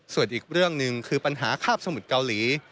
ส่วนอีกเรื่องหนึ่งคือปัญหาคาบสมุทรเกาหลี